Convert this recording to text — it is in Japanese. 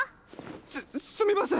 すっすみません！